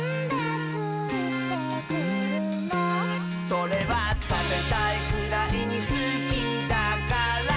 「それはたべたいくらいにすきだかららら」